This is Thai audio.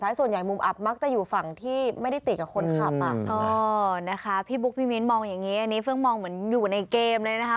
อันนี้มีนมองอย่างนี้อันนี้เฟิ้งมองเหมือนอยู่ในเกมเลยนะครับ